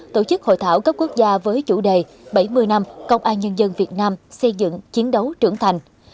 tổ chức hội thảo cấp quốc gia với chủ đề bảy mươi năm công an nhân dân việt nam xây dựng chiến đấu trưởng thành